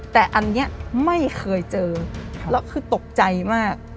แต่อันนี้ไม่เคยเจอแล้วคือตกใจมาก